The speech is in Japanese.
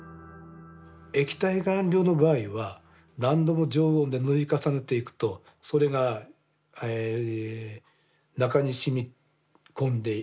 液体顔料の場合は何度も常温で塗り重ねていくとそれが中に染み込んでいく。